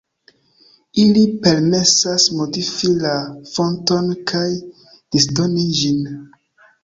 Ili permesas modifi la fonton kaj disdoni ĝin.